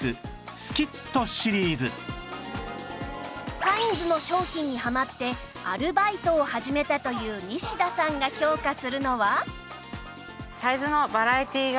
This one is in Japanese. カインズの商品にハマってアルバイトを始めたという西田さんが評価するのは